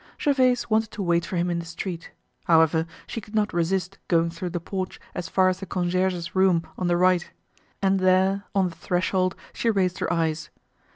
Gervaise wanted to wait for him in the street. However, she could not resist going through the porch as far as the concierge's room on the right. And there, on the threshold, she raised her eyes.